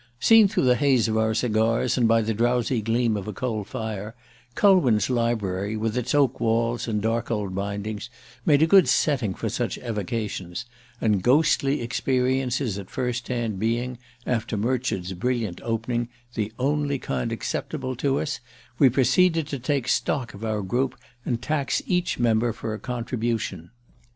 Seen through the haze of our cigars, and by the drowsy gleam of a coal fire, Culwin's library, with its oak walls and dark old bindings, made a good setting for such evocations; and ghostly experiences at first hand being, after Murchard's brilliant opening, the only kind acceptable to us, we proceeded to take stock of our group and tax each member for a contribution.